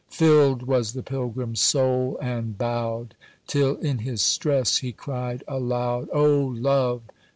Filled was the Pilgrim's soul and bowed, Till in his stress he cried aloud: "O Love!